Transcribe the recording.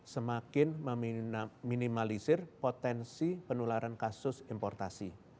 semakin meminimalisir potensi penularan kasus importasi